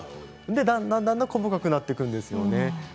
だんだん細かくなっていくんですよね。